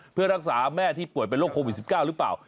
เพื่อรักษาแม่ที่ป่วยเป็นโรคโควิด๑๙หรือเปล่า